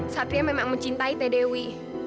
satria memang mencintai teh dewi